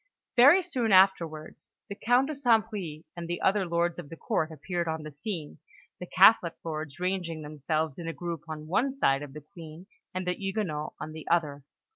Very soon afterwards, the Count de St. Bris and the other lords of the Court appeared on the scene, the Catholic lords ranging themselves in a group on one side of the Queen, and the Huguenots on the other.